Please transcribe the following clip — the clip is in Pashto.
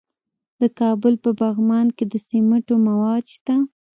د کابل په پغمان کې د سمنټو مواد شته.